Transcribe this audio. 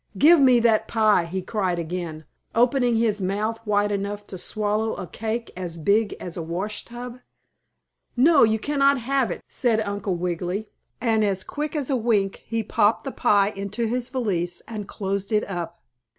"Give me that pie!" he cried again, opening his mouth wide enough to swallow a cake as big as a wash tub. "No, you cannot have it," said Uncle Wiggily, and, as quick as a wink, he popped the pie into his valise and closed it up.